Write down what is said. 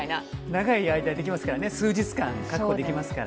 長い間できますからね数日間、確保できますから。